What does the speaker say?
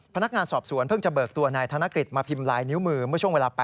พนักงานสอบสวนเพิ่งจะเบิกตัวนายธนกฤทธิ์มาพิมพ์ไลน์นิ้วมือ